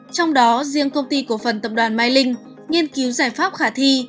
trong đó riêng công ty cổ phần tập đoàn mai linh nghiên cứu giải pháp khả thi